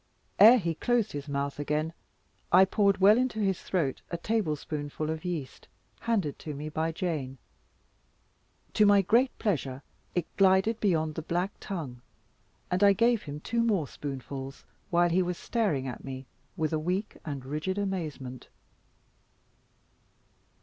Ere he closed his mouth again, I poured well into his throat a table spoonful of yeast, handed to me by Jane. To my great pleasure, it glided beyond the black tongue; and I gave him two more spoonfuls, while he was staring at me with a weak and rigid amazement.